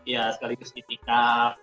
ya sekaligus di tika